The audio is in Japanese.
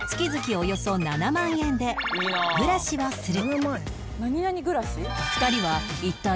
およそ７万円で暮らしをする